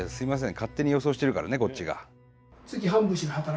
勝手に予想してるからねこっちが。